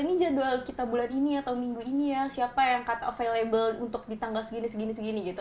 ini jadwal kita bulan ini atau minggu ini ya siapa yang kata available untuk di tanggal segini segini segini gitu